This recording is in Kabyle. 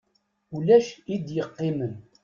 Ulac i d-yeqqimen.